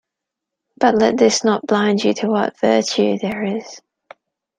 But let this not blind you to what virtue there is